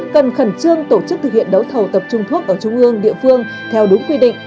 cần khẩn trương tổ chức thực hiện đấu thầu tập trung thuốc ở trung ương địa phương theo đúng quy định